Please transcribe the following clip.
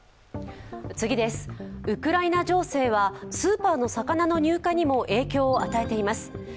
ウクライナ情勢はスーパーの魚の入荷にも影響を与えています。